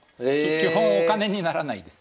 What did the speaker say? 基本お金にならないです。